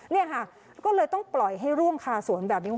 นี่ค่ะก็เลยต้องปล่อยให้ร่วงคาสวนแบบนี้